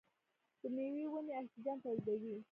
د میوو ونې اکسیجن تولیدوي.